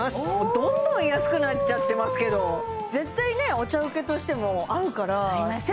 どんどん安くなっちゃってますけど絶対ねお茶請けとしても合うから合いますね